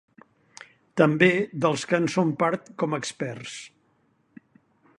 També dels que en són part com a experts.